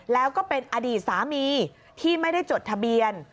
แล้วก็เป็นอดีตสามีที่ไม่ได้จดทะเบียน